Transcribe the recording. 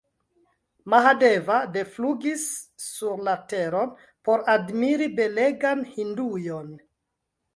Mahadeva deflugis sur la teron, por admiri belegan Hindujon.